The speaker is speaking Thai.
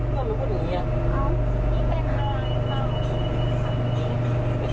มันขยับไม่ได้